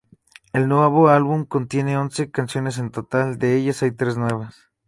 El nuevo álbum contiene once canciones en total., de ellas, hay tres nuevas.